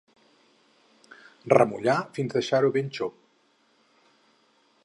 Remullar fins deixar-ho ben xop.